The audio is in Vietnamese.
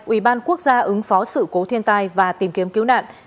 ubnd ứng phó sự cố thiên tai và tìm kiếm cứu nạn